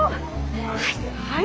はい。